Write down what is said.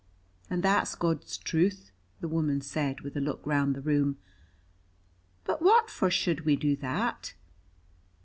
"And that's God's truth," the woman said, with a look round the room. "But what for should we do that?"